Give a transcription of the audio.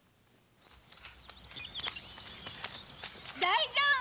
大丈夫？